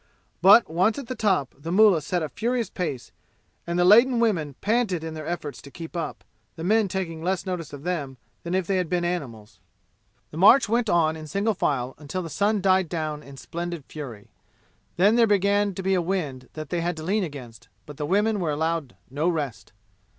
But once at the top the mullah set a furious pace and the laden women panted in their efforts to keep up, the men taking less notice of them than if they had been animals. The march went on in single file until the sun died down in splendid fury. Then there began to be a wind that they had to lean against, but the women were allowed no rest.